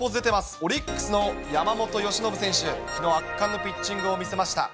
オリックスの山本由伸選手、きのう、圧巻のピッチングを見せました。